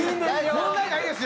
問題ないですよ。